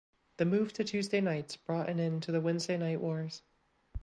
The move to Tuesday nights brought an end to the Wednesday Night Wars.